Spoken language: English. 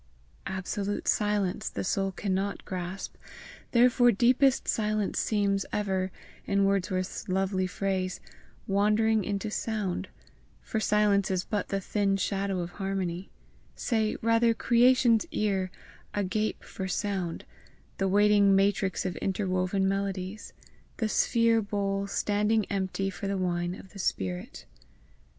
Absolute silence the soul cannot grasp; therefore deepest silence seems ever, in Wordsworth's lovely phrase, wandering into sound, for silence is but the thin shadow of harmony say rather creation's ear agape for sound, the waiting matrix of interwoven melodies, the sphere bowl standing empty for the wine of the spirit.